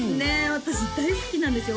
私大好きなんですよ